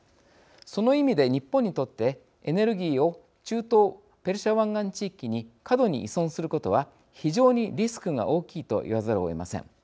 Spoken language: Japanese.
その意味で、日本にとってエネルギーを中東、ペルシャ湾岸地域に過度に依存することは非常にリスクが大きいと言わざるをえません。